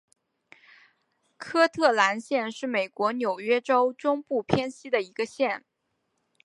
科特兰县是美国纽约州中部偏西的一个县。